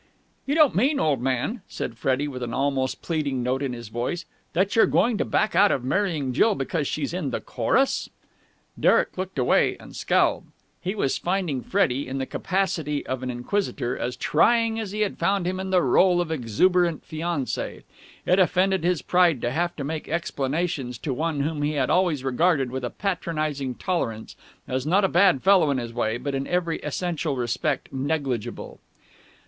"You don't mean, old man," said Freddie with an almost pleading note in his voice, "that you're going to back out of marrying Jill because she's in the chorus?" Derek looked away, and scowled. He was finding Freddie, in the capacity of inquisitor, as trying as he had found him in the rôle of exuberant fiancé. It offended his pride to have to make explanations to one whom he had always regarded with a patronizing tolerance as not a bad fellow in his way but in every essential respect negligible.